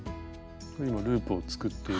今ループを作っている。